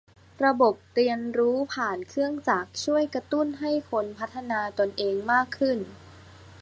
ระบบเรียนรู้ผ่านเครื่องจักรช่วยกระตุ้นให้คนพัฒนาตนเองมากขึ้น